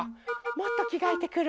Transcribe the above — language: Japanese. もっときがえてくる。